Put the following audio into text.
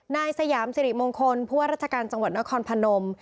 นายสยามสิริมงคลผู้ว่าราชการจังหวัดนครพนม